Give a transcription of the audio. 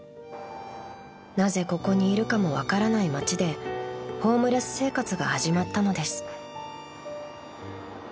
［なぜここにいるかも分からない街でホームレス生活が始まったのです］